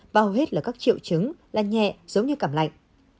và hầu hết là các triệu chứng là nhẹ giống như cảm lạnh